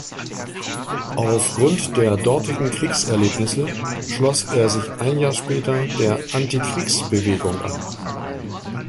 Aufgrund der dortigen Kriegserlebnisse schloss er sich ein Jahr später der Antikriegsbewegung an.